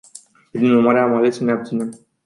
Prin urmare, am ales să ne abținem.